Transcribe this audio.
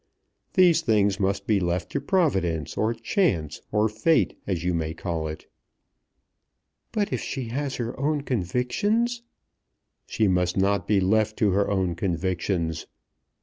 These things must be left to Providence, or Chance, or Fate, as you may call it." "But if she has her own convictions ?" "She must not be left to her own convictions.